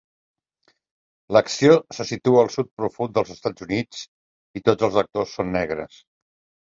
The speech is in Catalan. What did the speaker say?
L'acció se situa al sud profund dels Estats Units i tots els actors són negres.